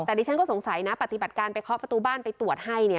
แต่ดิฉันก็สงสัยนะปฏิบัติการไปเคาะประตูบ้านไปตรวจให้เนี่ย